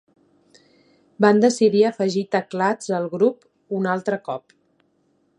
Van decidir afegir teclats a el grup un altre cop.